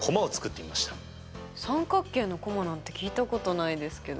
三角形のコマなんて聞いたことないですけど。